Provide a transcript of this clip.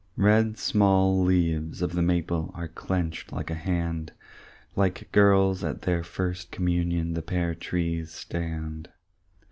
Red small leaves of the maple Are clenched like a hand, Like girls at their first communion The pear trees stand.